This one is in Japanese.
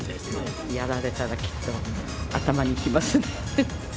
やられたらきっと頭にきますね。